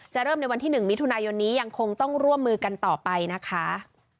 เริ่มในวันที่๑มิถุนายนนี้ยังคงต้องร่วมมือกันต่อไปนะคะ